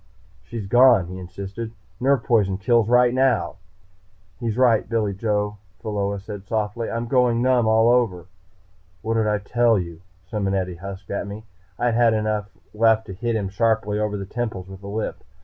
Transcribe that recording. "She's gone," he insisted. "Nerve poison kills right now." "He's right, Billy Joe," Pheola said softly. "I'm going numb all over." "What did I tell you?" Simonetti husked at me. I had enough left to hit him sharply over the temples with a lift.